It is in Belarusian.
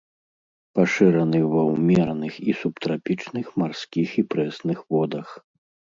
Пашыраны ва ўмераных і субтрапічных марскіх і прэсных водах.